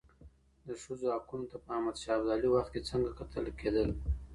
د ښځو حقونو ته په احمد شاه ابدالي وخت کي څنګه کتل کيدل؟